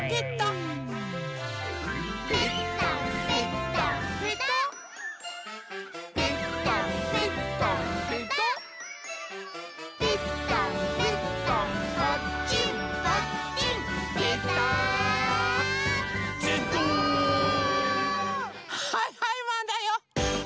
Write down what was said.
はいはいマンだよ。